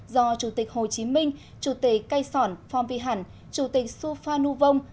do chủ tịch hồ chí minh chủ tịch cây sỏn phong vy hẳn chủ tịch su phan nhu vông